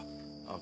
あ！